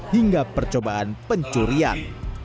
hingga percobaan pencurian